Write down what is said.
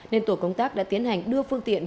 nên tổ công tác đã tiến hành đưa phương tiện